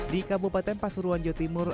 di kabupaten pasuruan jawa timur